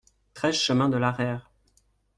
treize chemin de l'Araire